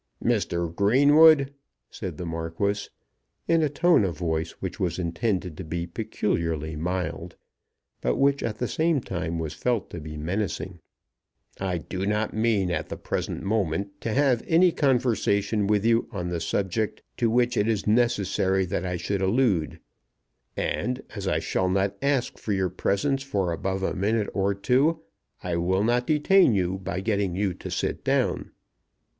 "Mr. Greenwood," said the Marquis, in a tone of voice which was intended to be peculiarly mild, but which at the same time was felt to be menacing, "I do not mean at the present moment to have any conversation with you on the subject to which it is necessary that I should allude, and as I shall not ask for your presence for above a minute or two, I will not detain you by getting you to sit down.